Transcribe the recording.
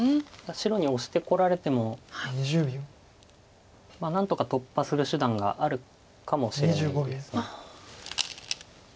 白にオシてこられてもまあ何とか突破する手段があるかもしれないです。